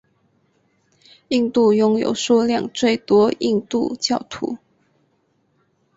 印度拥有数量最多印度教徒。